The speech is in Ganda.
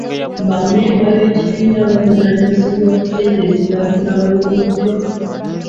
Ba mmemba b'ekibiina bavunaanyizibwa ku ssente eziba zibaweereddwa.